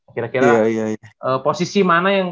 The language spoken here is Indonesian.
kira kira posisi mana yang